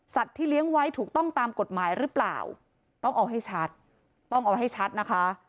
ที่เลี้ยงไว้ถูกต้องตามกฎหมายหรือเปล่าต้องเอาให้ชัดต้องเอาให้ชัดนะคะ